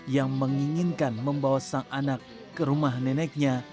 yang menginginkan membawa sang anak ke rumah neneknya